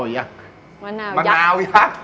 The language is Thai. มะลาโก